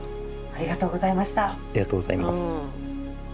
ありがとうございます。